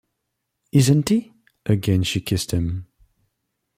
“Isn’t he!” Again she kissed him.